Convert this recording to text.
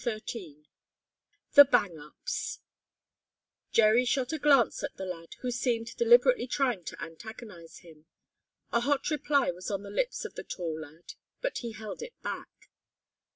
CHAPTER XIII THE BANG UPS Jerry shot a glance at the lad who seemed deliberately trying to antagonize him. A hot reply was on the lips of the tall lad, but he held it back.